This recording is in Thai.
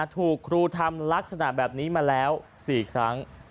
ถูกครูทำลักษณะแบบนี้มาแล้ว๔ครั้ง